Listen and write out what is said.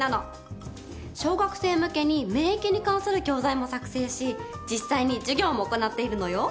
小学生向けに免疫に関する教材も作成し実際に授業も行っているのよ。